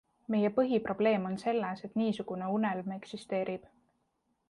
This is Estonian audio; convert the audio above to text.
Meie põhiprobleem on selles, et niisugune unelm eksisteerib.